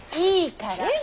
いいから！